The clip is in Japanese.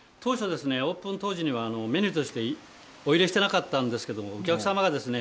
オープン当時にはメニューとしてお入れしてなかったんですけれどお客さまがですね